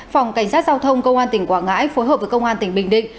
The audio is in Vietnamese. phòng cảnh sát giao thông công an tỉnh quảng ngãi phối hợp với công an tỉnh bình định